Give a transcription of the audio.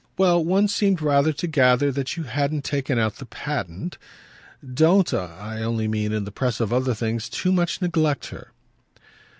"Well, one seemed rather to gather that you hadn't taken out the patent. Don't, I only mean, in the press of other things, too much neglect her."